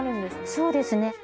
そうですね。